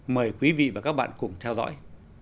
mời quý vị và các bạn cùng theo dõi